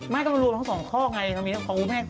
ไม่ก็รวมลง๒ข้อไงมีของกูแม่กัน